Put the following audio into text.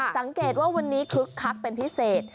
สังเกตว่าวันนี้คึกคักเป็นพิเศษ